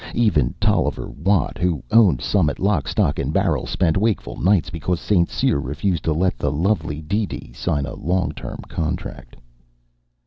Even Tolliver Watt, who owned Summit lock, stock and barrel, spent wakeful nights because St. Cyr refused to let the lovely DeeDee sign a long term contract.